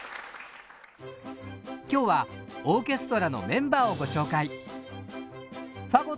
今日はオーケストラのメンバーをご紹介。